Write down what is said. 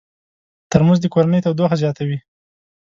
ترموز د کورنۍ تودوخه زیاتوي.